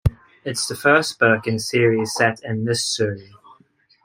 It is the first book in a series set in Missouri.